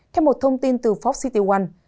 theo một thông tin từ fox city one